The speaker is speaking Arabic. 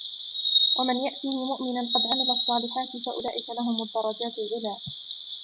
ومن يأته مؤمنا قد عمل الصالحات فأولئك لهم الدرجات العلى